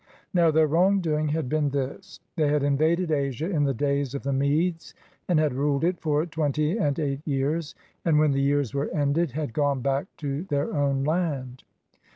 Now their wrong doing had been this. They had invaded Asia in the days of the Medes, and had ruled it for twenty and eight years, and when the years were ended had gone back to their own land.